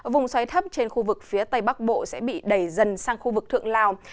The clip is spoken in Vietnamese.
vùng xoáy thấp trên khu vực phía tây bắc bộ sẽ bị đẩy dần sang khu vực thượng lào